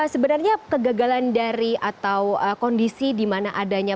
sebenarnya kegagalan dari atau kondisi di mana adanya